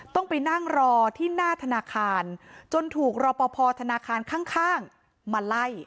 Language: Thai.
ต้องไปนั่งรอที่หน้าธนาคารจนถูกรอปภธนาคารข้างมาไล่